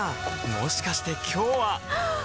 もしかして今日ははっ！